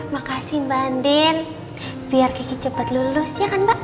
makasih mbak den biar kaki cepat lulus ya kan mbak